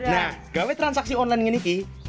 nah gawet transaksi online ini